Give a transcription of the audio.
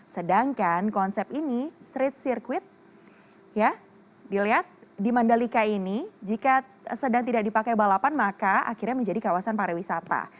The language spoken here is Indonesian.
sedangkan konsep ini street circuit ya dilihat di mandalika ini jika sedang tidak dipakai balapan maka akhirnya menjadi kawasan pariwisata